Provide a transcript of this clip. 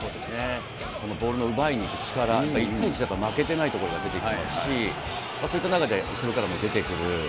このボールの奪いにいく力、１点しか負けてないところが出てますし、そういった中で、後ろからも出てくる。